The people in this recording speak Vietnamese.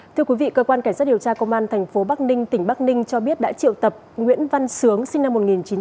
thưa quý vị cơ quan cảnh sát điều tra công an tp bắc ninh tỉnh bắc ninh cho biết đã triệu tập nguyễn văn sướng sinh năm một nghìn chín trăm sáu mươi tám